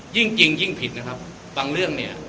ยิ่งจริงยิ่งผิดนะครับบางเรื่องเนี่ย